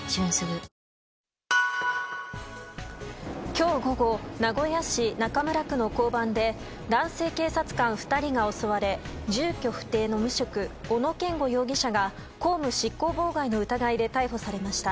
今日午後名古屋市中村区の交番で男性警察官２人が襲われ住居不定の無職小野健吾容疑者が公務執行妨害の疑いで逮捕されました。